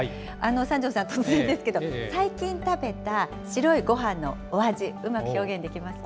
三條さん、突然ですけど、最近食べた白いごはんのお味、うまく表現できますか？